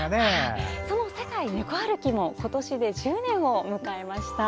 その「世界ネコ歩き」も今年で１０年を迎えました。